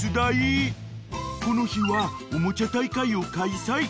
［この日はおもちゃ大会を開催